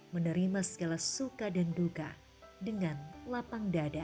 menerima segala suka dan duka dengan lapang dada